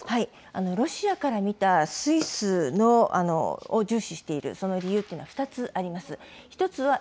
ロシアから見た、スイスを重視している、その理由とは２つあります。